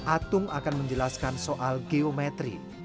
atung akan menjelaskan soal geometri